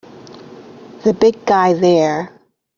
The big guy there!